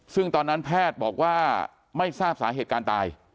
ซึ่งตอนนั้นแพทย์บอกว่าไม่ทราบสาเหตุการตาย